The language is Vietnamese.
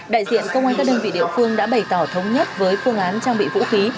đại diện công an các đơn vị địa phương đã bày tỏ thống nhất với phương án trang bị vũ khí